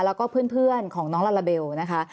แล้วก็เพื่อนของน้องลาลาเบลนะคะ